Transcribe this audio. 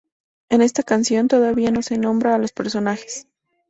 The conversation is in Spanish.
En esta canción, todavía no se nombra a los personajes.